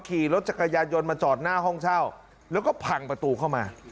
ขี่รถจักรยานยนต์มาจอดหน้าห้องเช่าแล้วก็พังประตูเข้ามา